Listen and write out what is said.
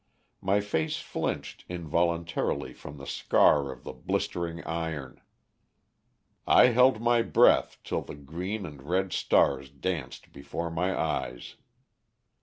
My face flinched involuntarily from the scar of the blistering iron; I held my breath till the green and red stars danced before my eyes.